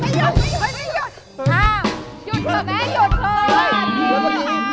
ห้ามยุดเถอะแม่งยุดเถอะ